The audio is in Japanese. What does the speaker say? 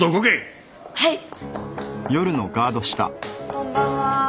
こんばんは。